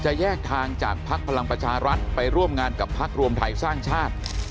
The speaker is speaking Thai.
แยกทางจากภักดิ์พลังประชารัฐไปร่วมงานกับพักรวมไทยสร้างชาติ